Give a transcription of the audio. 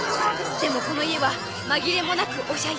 でもこの家は紛れもなくおしゃ家。